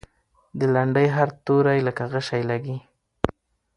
د لنډۍ هر توری لکه غشی لګي.